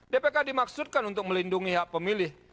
dpk dimaksudkan untuk melindungi hak pemilih